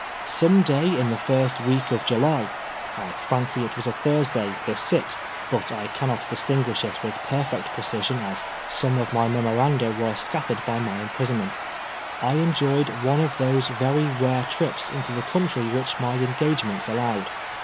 Some day in the first week of July (I fancy it was Thursday, the 6th, but I cannot distinguish it with perfect precision, as some of my memoranda were scattered by my imprisoDment) I enjoyed one of those very rare trips into the country which my engagements allowed.